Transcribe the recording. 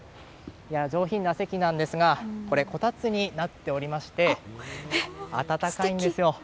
上品な席なんですがこたつになっておりまして暖かいんですよ。